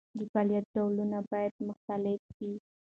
د فعالیت ډولونه باید مختلف وي.